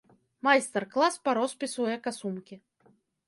Майстар-клас па роспісу эка-сумкі.